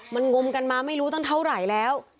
มันงมกันมาไม่รู้ตั้งเท่าไหร่แล้ว